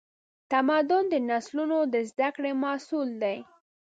تمدن د نسلونو د زدهکړې محصول دی.